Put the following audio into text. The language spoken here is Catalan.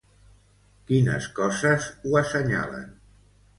Quines coses ho assenyalen?